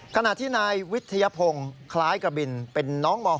ขณะที่นายวิทยาพงศ์คล้ายกระบินเป็นน้องม๖